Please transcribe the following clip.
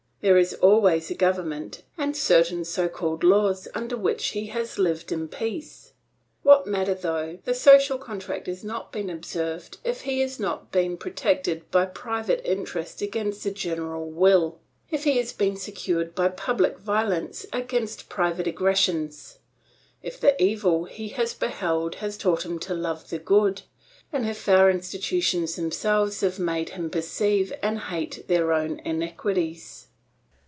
There is always a government and certain so called laws under which he has lived in peace. What matter though the social contract has not been observed, if he has been protected by private interest against the general will, if he has been secured by public violence against private aggressions, if the evil he has beheld has taught him to love the good, and if our institutions themselves have made him perceive and hate their own iniquities?